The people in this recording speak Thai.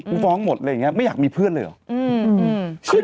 พูดฟ้องหมดเลยนี่ไม่อยากมีเพื่อนเลยหรือ